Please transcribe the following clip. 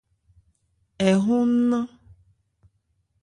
Ɛ hɔn nnán.